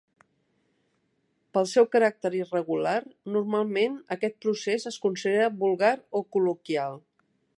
Pel seu caràcter irregular, normalment aquest procés es considera vulgar o col·loquial.